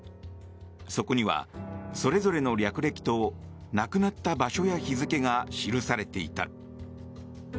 そこには、それぞれの略歴と亡くなった場所や日付が記されていた。